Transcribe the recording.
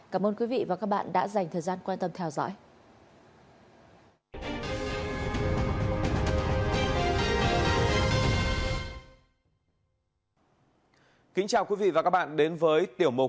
cảm ơn quý vị và các bạn đã theo dõi